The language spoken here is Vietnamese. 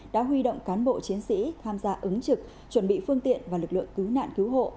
đã huy động cán bộ chiến sĩ tham gia ứng trực chuẩn bị phương tiện và lực lượng cứu nạn cứu hộ